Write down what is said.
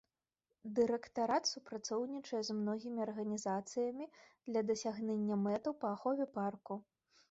Дырэктарат супрацоўнічае з многімі арганізацыямі для дасягнення мэтаў па ахове парку.